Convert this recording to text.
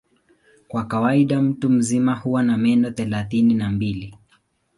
Kwa kawaida mtu mzima huwa na meno thelathini na mbili.